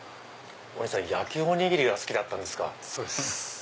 お兄さん焼きおにぎりが好きだったんですか。